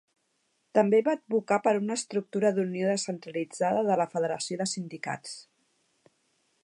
També va advocar per una estructura d'unió descentralitzada de la federació de sindicats.